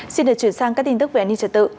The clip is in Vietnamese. xin được chuyển sang các tin tức về an ninh trật tự